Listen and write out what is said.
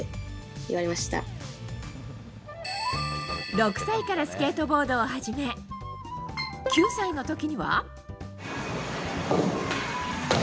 ６歳からスケートボードを始め９歳の時には。